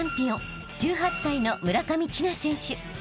１８歳の村上智奈選手］